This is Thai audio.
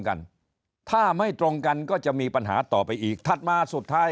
กันถ้าไม่ตรงกันก็จะมีปัญหาต่อไปอีกถัดมาสุดท้าย